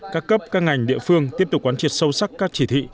các cấp các ngành địa phương tiếp tục quán triệt sâu sắc các chỉ thị